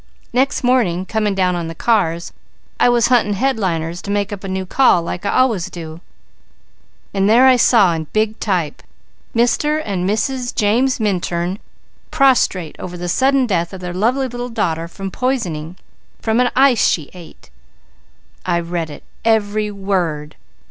Next morning coming down on the cars I was hunting headliners to make up a new call, like I always do, and there I saw in big type, 'Mr. and Mrs. James Minturn prostrate over the sudden death of their lovely little daughter from poisoning, from an ice she ate.' I read it every word.